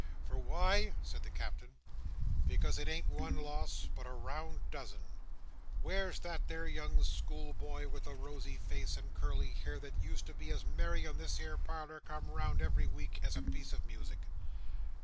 For why?" said the Captain. "Because it ain't one loss, but a round dozen. Where's that there young school boy with the rosy face and curly hair, that used to be as merry in this here parlour, come round every week, as a piece of music?